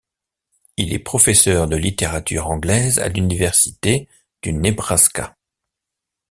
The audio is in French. Il est professeur de littérature anglaise à l'université du Nebraska.